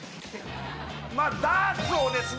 まあダーツをですね